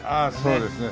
そうですね。